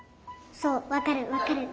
そうわかるわかる。